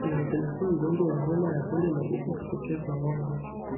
Mambo yanayopelekea ugonjwa wa homa ya bonde la ufa kutokea kwa ngombe